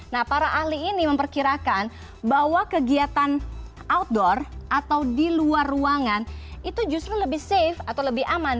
nah para ahli ini memperkirakan bahwa kegiatan outdoor atau di luar ruangan itu justru lebih safe atau lebih aman